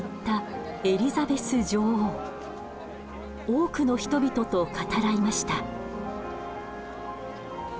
多くの人々と語らいました。